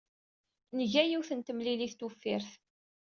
Nga yiwet n temlilit tuffirt.